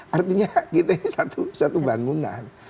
artinya kita ini satu bangunan